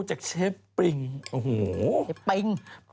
จากกระแสของละครกรุเปสันนิวาสนะฮะ